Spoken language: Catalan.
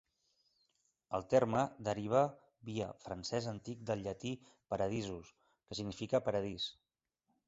El terme deriva "via" francès antic del llatí "paradisus" que significa "paradís".